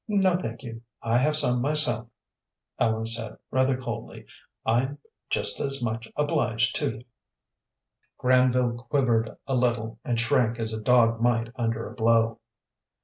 "No, thank you, I have some myself," Ellen said, rather coldly. "I'm just as much obliged to you." Granville quivered a little and shrank as a dog might under a blow.